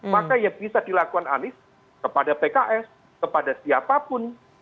maka yang bisa dilakukan anies kepada pks kepada siapapun